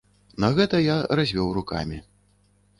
На гэта я развёў рукамі.